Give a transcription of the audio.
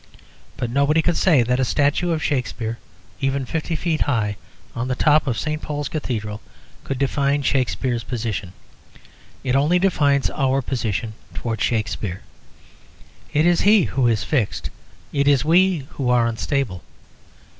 But nobody could say that a statue of Shakspere, even fifty feet high, on the top of St. Paul's Cathedral, could define Shakspere's position. It only defines our position towards Shakspere. It is he who is fixed; it is we who are unstable.